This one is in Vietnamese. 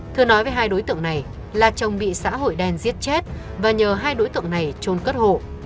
thưa nói với hai đối tượng này là chồng bị xã hội đen giết chết và nhờ hai đối tượng này trôn cất hộ